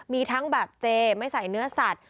มีทั้งแบบเจไม่ใส่เนื้อสัตว